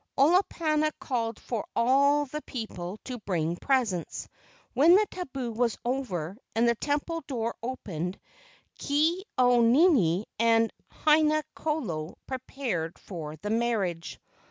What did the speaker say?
Olo¬ pana called for all the people to bring presents. When the tabu was over and the temple door opened, Ke au nini and Haina kolo prepared for the marriage.